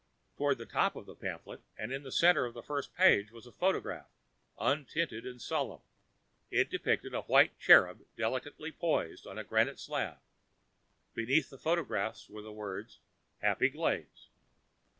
Toward the top of the pamphlet and in the center of the first page was a photograph, untinted and solemn; it depicted a white cherub delicately poised on a granite slab. Beneath the photograph, were the words: HAPPY GLADES.